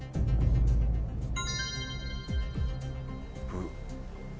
ブ。